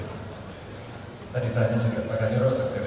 saya ditanya pak kanyarawa segeri